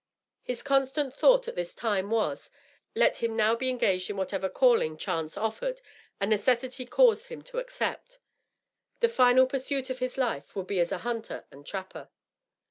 His constant thought at this time was, let him now be engaged in whatever calling chance offered and necessity caused him to accept, the final pursuit of his life would be as a hunter and trapper.